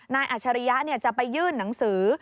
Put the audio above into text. อัชริยะจะไปยื่นหนังสือ